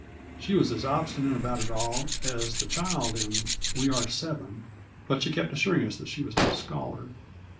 She was as obstinate about it all as the child in We are Seven. But she kept assuring us that she was no scholar.